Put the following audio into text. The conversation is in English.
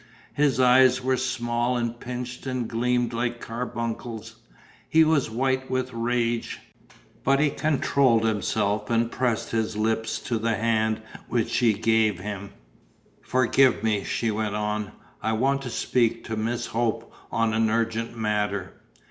His eyes were small and pinched and gleamed like carbuncles; he was white with rage; but he controlled himself and pressed his lips to the hand which she gave him. "Forgive me," she went on. "I want to speak to Miss Hope on an urgent matter."